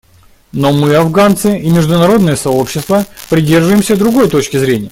Но мы, афганцы, и международное сообщество придерживаемся другой точки зрения.